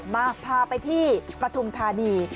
มาพาไปที่ปฐุมธานี